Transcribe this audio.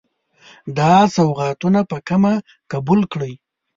دا سوغاتونه په کمه قبول کړئ.